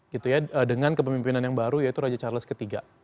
gitu ya dengan kepemimpinan yang baru yaitu raja charles iii